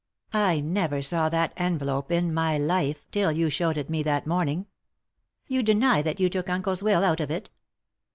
"I never saw that envelope in my life till you showed it me that morning." "You deny that you took uncle's will out of it?"